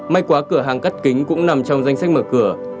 may quá cửa hàng cắt kính cũng nằm trong danh sách mở cửa